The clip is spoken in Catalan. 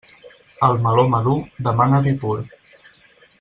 El meló madur demana vi pur.